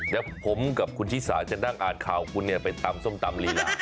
เดี๋ยวผมกับคุณชิสาจะนั่งอ่านข่าวคุณเนี่ยไปตำส้มตำลีลา